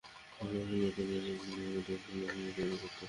ভালোবাসেন নতুন নতুন রেসিপিকে নিজের মতো করে ভিন্ন আঙ্গিকে তৈরি করতে।